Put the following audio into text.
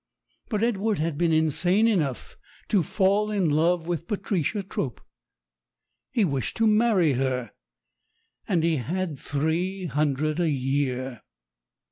But Edward had been insane enough to fall in love with Patricia Trope. He wished to marry her and he had three hundred a year.